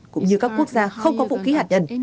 cũng như các quốc gia không có vũ khí hạt nhân